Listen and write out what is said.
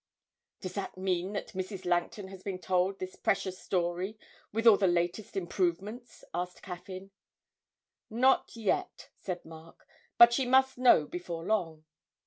'Does that mean that Mrs. Langton has been told this precious story with all the latest improvements?' asked Caffyn. 'Not yet,' said Mark, 'but she must know before long.'